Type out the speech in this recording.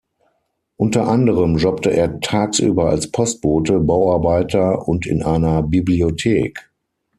Unter anderem jobbte er tagsüber als Postbote, Bauarbeiter und in einer Bibliothek.